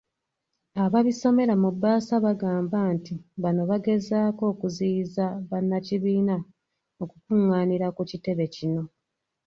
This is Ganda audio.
Ababisomera mu bbaasa bagamba nti bano bagezaako kuziyiza bannakibiina kukung'aanira ku kitebe kino.